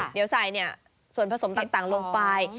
เดี๋ยวใส่ส่วนผสมต่างลงไป